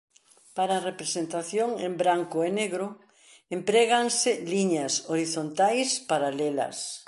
Para a representación en branco e negro empréganse liñas horizontais paralelas.